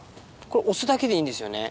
これ押すだけでいいんですよね。